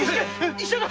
医者だ。